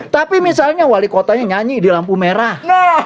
tapi misalnya wali kotanya nyanyi di lampu merah